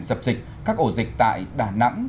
dập dịch các ổ dịch tại đà nẵng